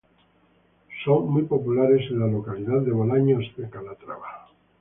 Son muy populares en la localidad de Bolaños de Calatrava.